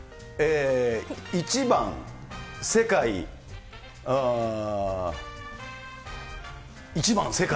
１番、世界、１番、世界？